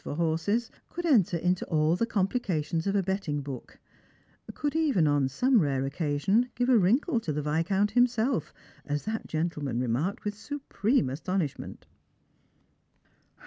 for horses, could enter into all the complications of a betting book ; could even, on some rare occasion, give a wrinkle to the Viscount himself, as that gentleman remarked with supreme astonishment.